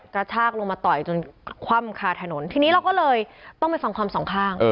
กระชากลงมาต่อยจนคว่ำคาถนนทีนี้เราก็เลยต้องไปฟังความสองข้าง